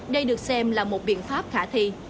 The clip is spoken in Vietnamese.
đây được xem là một biện pháp khả thi